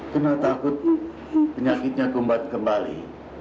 karena takut penyakitnya kumbat kembali